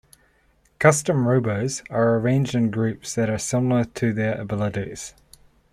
Custom Robos are arranged in groups that are similar to their abilities.